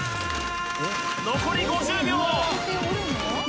残り５０秒！